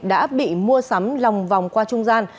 đã bị mua sắm lòng vòng qua trung gian